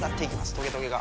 トゲトゲが。